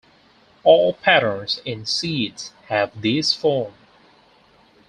All patterns in Seeds have this form.